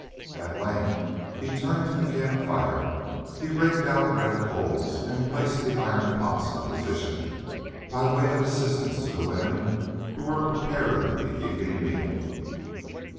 At length he turned to the camp fire; he raked out red coals, and placed the iron pots in position, by way of assistance to the women who were preparing the evening meal.